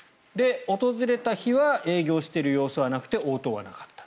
訪れた日は営業している様子はなくて応答はなかった。